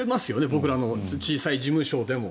僕らの小さい事務所でも。